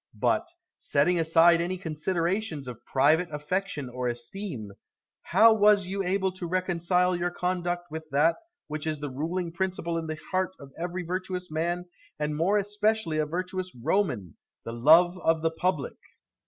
But, setting aside any considerations of private affection or esteem, how was you able to reconcile your conduct with that which is the ruling principle in the heart of every virtuous man, and more especially a virtuous Roman, the love of the public?